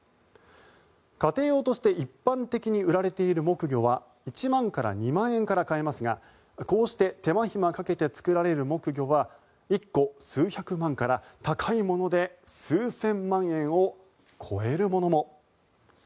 家庭用として一般的に売られている木魚は１万から２万円から買えますがこうして手間ひまかけて作られる木魚は１個数百万から、高いもので数千万円を超えるものも。